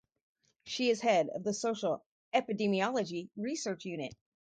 She is head of the Social Epidemiology Research Unit.